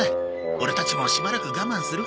オレたちもしばらく我慢するか。